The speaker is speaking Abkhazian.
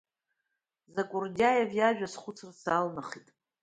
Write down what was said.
Закурдиаев иажәа схәыцра салнахит.